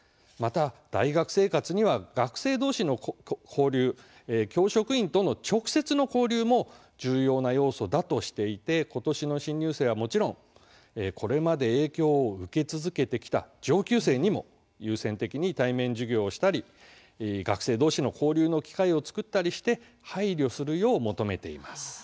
また、大学生活には学生どうしの交流教職員との直接の交流も重要な要素だとしていてことしの新入生はもちろんこれまで影響を受け続けてきた上級生にも優先的に対面授業をしたり学生どうしの交流の機会を作ったりして配慮するよう求めています。